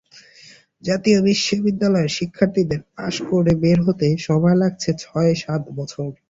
জাতীয় বিশ্ববিদ্যালয়ের শিক্ষার্থীদের পাস করে বের হতে সময় লাগছে ছয় সাত বছর।